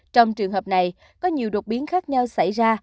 trong trường hợp này có nhiều đột biến khác nhau xảy ra